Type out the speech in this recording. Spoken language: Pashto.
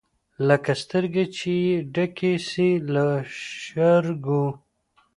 لکه سترګي چي یې ډکي سي له ژرګو